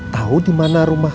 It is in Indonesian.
tahu di mana rumah